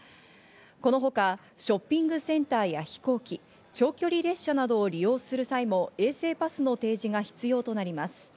このほかショッピングセンターや飛行機、長距離列車などを利用する際も衛生パスの提示が必要となります。